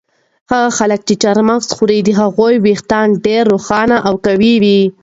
هغه خلک چې چهارمغز خوري د هغوی ویښتان ډېر روښانه او قوي وي.